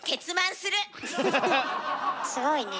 すごいね。